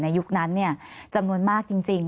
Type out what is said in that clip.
ในยุคนั้นเนี่ยจำนวนมากจริง